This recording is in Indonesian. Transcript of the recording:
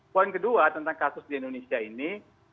poin kedua tentang kasus di indonesia ini